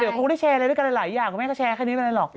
เดี๋ยวเขาก็ได้แชร์มาเลยตรงนั้นคุณแม่ก็แชร์แค่นี้น่ะเลยหรอก